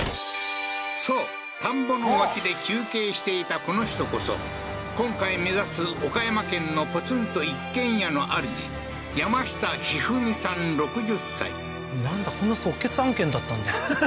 そう田んぼの脇で休憩していたこの人こそ今回目指す岡山県のポツンと一軒家のあるじなんだこんな即決案件だったんだはははっ